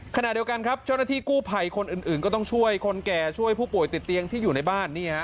ขณะเดียวกันครับเจ้าหน้าที่กู้ภัยคนอื่นก็ต้องช่วยคนแก่ช่วยผู้ป่วยติดเตียงที่อยู่ในบ้าน